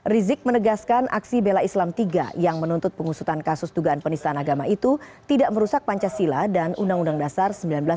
rizik menegaskan aksi bela islam tiga yang menuntut pengusutan kasus dugaan penistaan agama itu tidak merusak pancasila dan undang undang dasar seribu sembilan ratus empat puluh lima